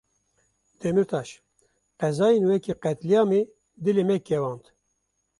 Demirtaş; qezayên wekî qetlîamê dilê me kewand.